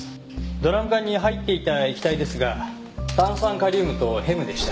ドラム缶に入っていた液体ですが炭酸カリウムとヘムでした。